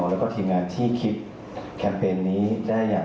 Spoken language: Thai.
แล้วก็ทีมงานที่คิดแคมเปญนี้ได้อย่าง